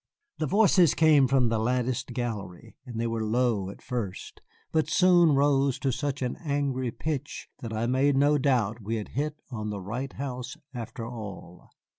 The voices came from the latticed gallery, and they were low at first, but soon rose to such an angry pitch that I made no doubt we had hit on the right house after all.